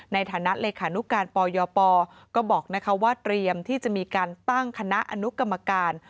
ในฐานะเลขานุการปยปก็บอกว่าเตรียมที่จะมีการตั้งคณะอนุกรรมการ